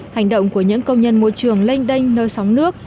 hành động của những công nhân môi trường lênh đênh nơi sóng nước